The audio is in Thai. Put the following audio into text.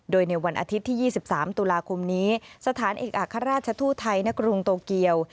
โดยในวันอาทิตย์ที่๒๓ตุลาคมนี้สถานเอกอัครราชทูตไทยณกรุงโตเกียว